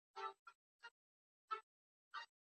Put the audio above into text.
kitabu hicho cha robertson hakikupata umaarufu sana